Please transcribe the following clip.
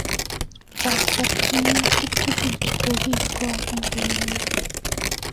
Kwasir tyemutik tukul che kipwonjon eng' kenyini